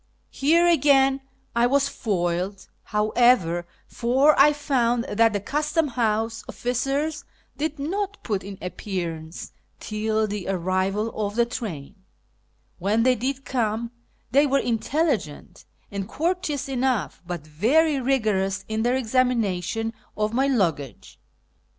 Here again I was foiled, however, for I found that the Custom House oflicers did not put in appearance till the arrival of the train, AVhen they did come they were intelligent and courteous enough, but very rigorous in their examination of my luggage.